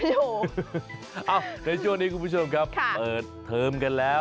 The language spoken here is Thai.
เมื่อสู่ชัวร์นี้คุณผู้ชมเอ่อเทิมกันแล้ว